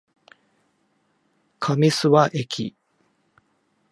上諏訪駅